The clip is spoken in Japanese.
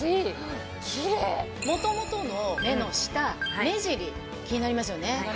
元々の目の下目尻気になりますよね。